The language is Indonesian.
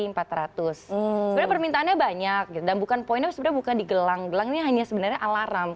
sebenarnya permintaannya banyak dan bukan poinnya sebenarnya bukan di gelang gelang ini hanya sebenarnya alarm